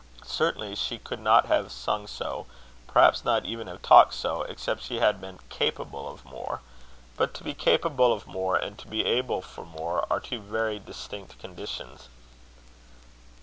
Certainly she could not have sung so, perhaps not even have talked so, except she had been capable of more; but to be capable of more, and to be able for more, are two very distinct conditions.